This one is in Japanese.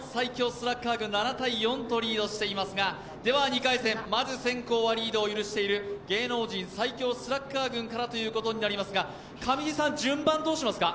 スラッガー軍７−４とリードしていますが、２回戦、まず先攻はリードを許している芸能人最強スラッガー軍からになりますが、上地さん、順番どうしますか？